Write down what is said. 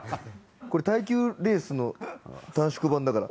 これ耐久レースの短縮版だから。